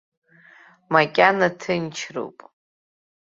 Макьана ҭынчроуп.